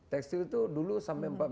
tekstil itu dulu sampai